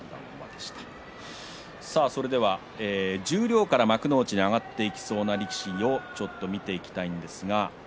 十両から幕内に上がっていきそうな力士を見ていきたいと思います。